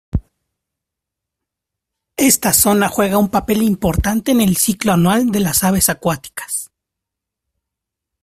Esta zona juega un papel importante en el ciclo anual de las aves acuáticas.